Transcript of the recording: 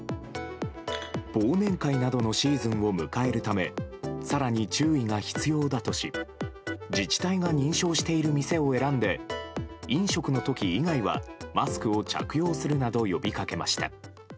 忘年会などのシーズンを迎えるため、さらに注意が必要だとし、自治体が認証している店を選んで、飲食のとき以外はマスクを着用するなど呼びかけました。